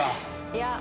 いや。